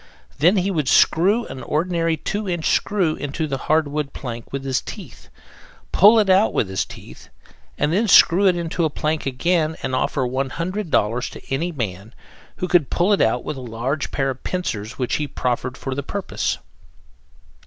Then he would screw an ordinary two inch screw into a hardwood plank with his teeth, pull it out with his teeth, and then screw it into the plank again and offer $100 to any man who could pull it out with a large pair of pincers which he proffered for the purpose.